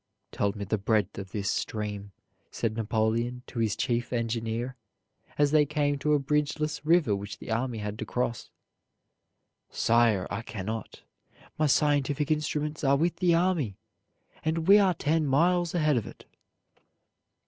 "Tell me the breadth of this stream," said Napoleon to his chief engineer, as they came to a bridgeless river which the army had to cross. "Sire, I cannot. My scientific instruments are with the army, and we are ten miles ahead of it."